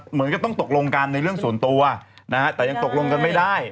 เหมือนกับต้องตกลงกันในเรื่องส่วนตัวนะฮะแต่ยังตกลงกันไม่ได้